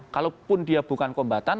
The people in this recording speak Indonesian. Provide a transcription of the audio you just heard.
kalaupun dia bukan kombatan